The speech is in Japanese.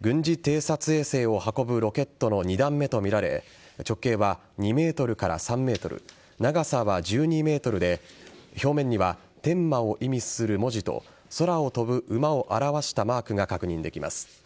軍事偵察衛星を運ぶロケットの２段目とみられ直径は２ｍから３ｍ長さは１２ｍで表面には天馬を意味する文字と空を飛ぶ馬を表したマークが確認できます。